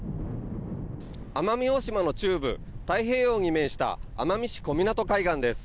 奄美大島の中部太平洋に面した奄美市小湊海岸です。